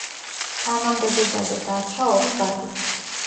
თანამდებობაზე დარჩა ორი ვადით.